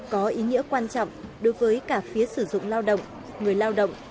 có ý nghĩa quan trọng đối với cả phía sử dụng lao động người lao động